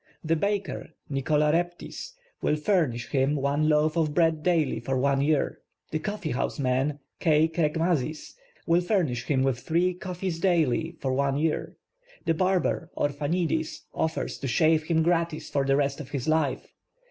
The baker, Nicolas Raptis, will fur nish him one loaf of bread daily for one year. The coffeehouse man, K. Krekmazis, will furnish him with three coffees daily for one year. The barber, Orphanidis, offers to shave him gratis for the rest of his life.